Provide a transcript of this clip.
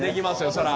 そりゃ。